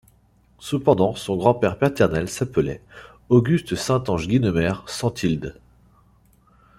Cependant, son grand-père paternel s'appelait Auguste Saint Ange Guynemer sans tilde.